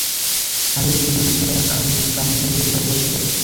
তাদের প্রতি নির্দেশ ছিল, তারা কারাউল গামীম পর্যন্ত অতি সতর্কতার সাথে যাবে।